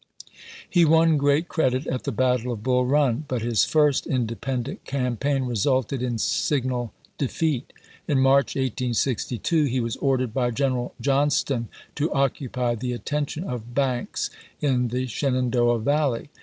He won great credit at the battle of Bull Run, but his first independent campaign resulted in sig nal defeat. In March, 1862, he was ordered by G eneral Johnston to occupy the attention of Banks in the Shenandoah Valley.